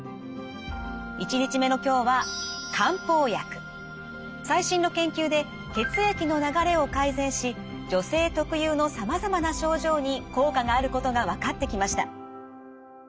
１日目の今日は最新の研究で血液の流れを改善し女性特有のさまざまな症状に効果があることが分かってきました。